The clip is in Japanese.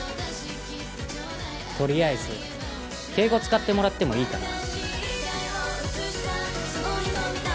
とりあえず敬語使ってもらってもいいかな？